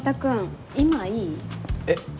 えっ？